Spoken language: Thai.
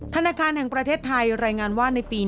ธนาคารแห่งประเทศไทยรายงานว่าในปี๒๕